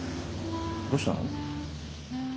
どうしたの？